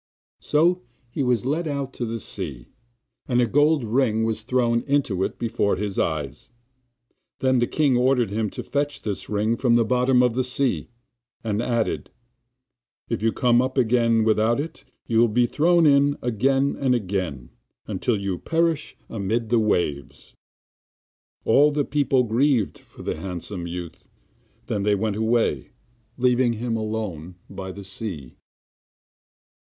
So he was led out to the sea, and a gold ring was thrown into it, before his eyes; then the king ordered him to fetch this ring up from the bottom of the sea, and added: 'If you come up again without it you will be thrown in again and again until you perish amid the waves.' All the people grieved for the handsome youth; then they went away, leaving him alone by the sea.